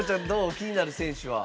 気になる選手は。